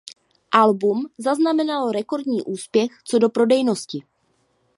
Album zaznamenalo rekordní úspěch co do prodejnosti.